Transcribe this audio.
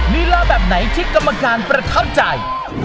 ลีลาแบบไหนที่กรรมการประทับใจ